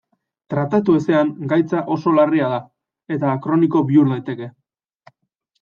Tratatu ezean gaitza oso larria da, eta kroniko bihur daiteke.